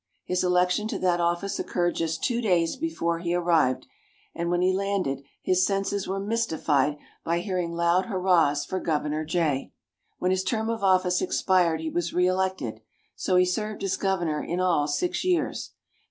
His election to that office occurred just two days before he arrived, and when he landed his senses were mystified by hearing loud hurrahs for "Governor Jay." When his term of office expired he was re elected, so he served as Governor, in all, six years.